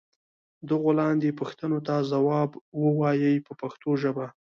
دغو لاندې پوښتنو ته ځواب و وایئ په پښتو ژبه.